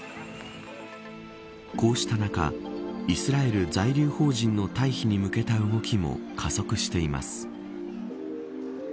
こうした中イスラエル在留邦人の退避に向けた動きも加速しています。